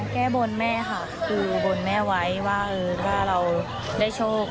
แก้บนแม่ค่ะคือบนแม่ไว้ว่าถ้าเราได้โชค